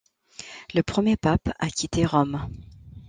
Le premier pape à quitter Rome.